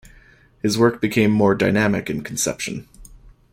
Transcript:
His work became more dynamic in conception.